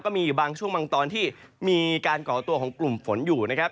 มีอยู่บางช่วงบางตอนที่มีการก่อตัวของกลุ่มฝนอยู่นะครับ